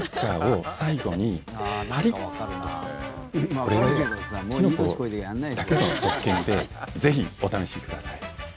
これはきのこだけの特権でぜひお試しください。